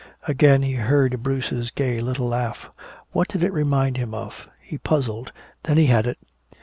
Again he heard Bruce's gay little laugh. What did it remind him of? He puzzled. Then he had it.